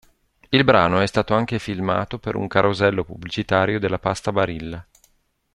Il brano è stato anche filmato per un carosello pubblicitario della pasta Barilla.